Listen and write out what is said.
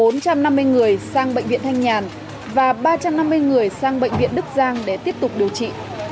bốn trăm năm mươi người sang bệnh viện thanh nhàn và ba trăm năm mươi người sang bệnh viện đức giang để tiếp tục điều trị